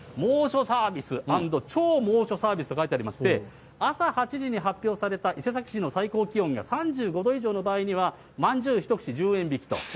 猛暑サービス＆超猛暑サービスと書いてありまして、朝８時に発表された伊勢崎市の最高気温が３５度以上の場合には、まんじゅう１串１０円引きと。